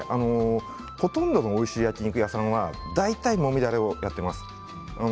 ほとんどのおいしい焼き肉屋さんは大体もみダレをやっています。